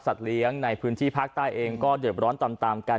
เลี้ยงในพื้นที่ภาคใต้เองก็เดือดร้อนตามกัน